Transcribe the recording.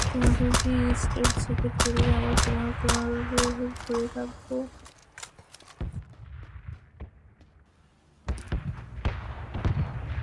তোমাকে কি স্ট্রেইটজ্যাকেট পরিয়ে আবার তোমার গারদে ভরে রাখবো?